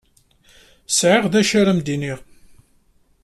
Sɛiɣ d acu ara m-d-iniɣ.